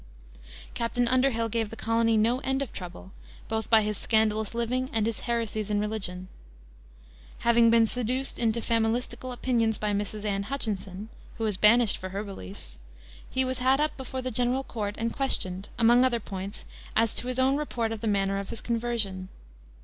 Captain Underhill gave the colony no end of trouble, both by his scandalous living and his heresies in religion. Having been seduced into Familistical opinions by Mrs. Anne Hutchinson, who was banished for her beliefs, he was had up before the General Court and questioned, among other points, as to his own report of the manner of his conversion.